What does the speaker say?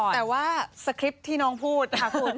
แต่ว่าสคริปที่น้องพูด